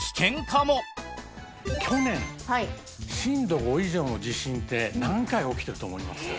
去年震度５以上の地震って何回起きてると思います？